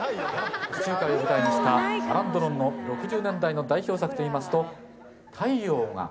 地中海を舞台にしたアラン・ドロンの６０年代の代表作といいますと「太陽が」